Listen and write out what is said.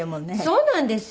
そうなんですよ。